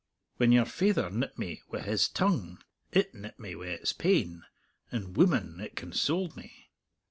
When your faither nipped me wi' his tongue it nipped me wi' its pain, and, woman, it consoled me.